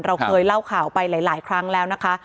เราเคยเล่าข่าวไปหลายครั้งแล้วนะคะ